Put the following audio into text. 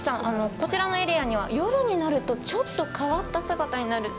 こちらのエリアには夜になるとちょっと変わった姿になる魚がいるんです。